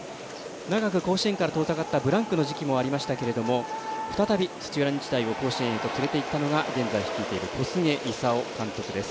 長く甲子園から遠ざかったブランクの時期もありましたけれど再び土浦日大を甲子園へと連れて行ったのが現在、率いている小菅勲監督です。